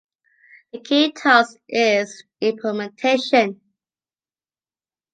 The key task is implementation.